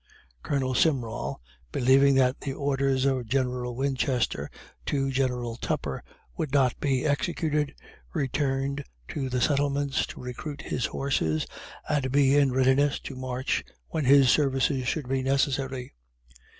Colonel Simrall, believing that the orders of General Winchester to General Tupper would not be executed, returned to the settlements to recruit his horses and be in readiness to march when his services should be necessary.